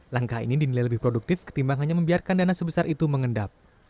langkah ini dinilai lebih produktif ketimbang hanya membiarkan dana sebesar itu mengendap